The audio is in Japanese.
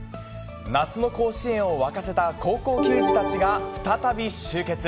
夏の甲子園を沸かせた高校球児たちが再び集結。